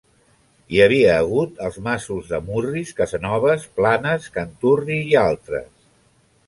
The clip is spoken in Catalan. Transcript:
Hi havia hagut els masos de Murris, Casanoves, Planes, Canturri i altres.